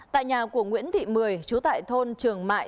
tại nhà của nguyễn thị mười trú tại thôn trường mại